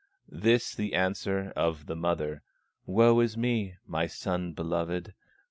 This the answer of the mother: "Woe is me, my son beloved!